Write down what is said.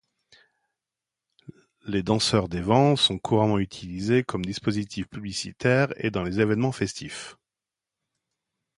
Les danseurs-des-vents sont couramment utilisés comme dispositifs publicitaires et dans les évènements festifs.